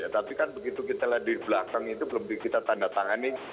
tapi kan begitu kita lihat di belakang itu belum kita tanda tangani